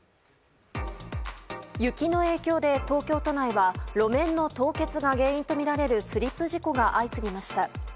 雪の影響で東京都内は路面の凍結が原因とみられるスリップ事故が相次ぎました。